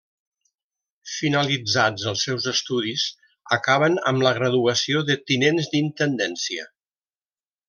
Finalitzats els seus estudis, acaben amb la graduació de tinents d'Intendència.